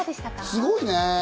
すごいね。